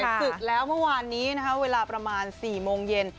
ศึกแล้วเมื่อวานนี้นะคะเวลาประมาณ๔โมงเย็น